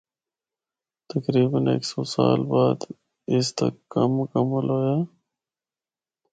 تقریبا ہک سو سال بعد اس دا کم مکمل ہویا۔